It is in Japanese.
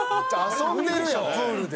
遊んでるやんプールで。